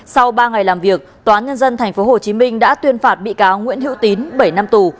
sau ba ngày làm việc tòa án nhân dân tp hcm đã tuyên phạt bị cáo nguyễn hữu tín bảy năm tù